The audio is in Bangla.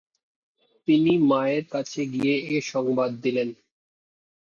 তিনি মায়ের কাছে গিয়ে এ সংবাদ দিলেন।